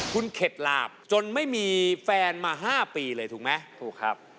คุณเข็ดหลาบจนไม่มีแฟนมา๕ปีเลยถูกไหมถูกครับ